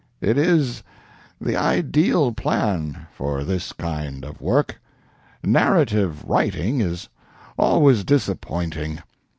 "It is the ideal plan for this kind of work. Narrative writing is always disappointing.